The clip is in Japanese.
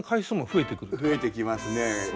増えてきますね。